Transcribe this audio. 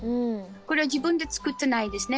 これは自分で作ってないですね。